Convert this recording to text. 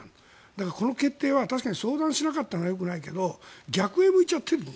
だから、この決定は確かに相談しなかったのはよくないけど逆へ向いちゃってるの。